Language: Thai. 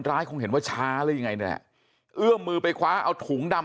ร้ายคงเห็นว่าช้าหรือยังไงแหะเอื่อมมือไปคว้าถูงดำ